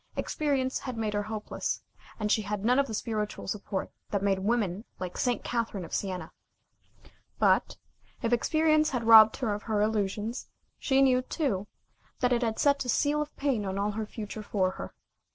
Experience had made her hopeless, and she had none of the spiritual support that made women like St. Catherine of Sienna. But, if experience had robbed her of her illusions, she knew, too, that it had set a seal of pain on all the future for her.